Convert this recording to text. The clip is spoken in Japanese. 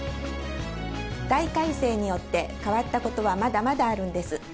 大改正によって変わったことはまだまだあるんです。